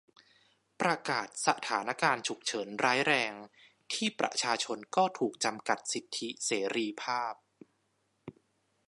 ประกาศสถานการณ์ฉุกเฉินร้ายแรง ที่ประชาชนก็ถูกจำกัดสิทธิเสรีภาพ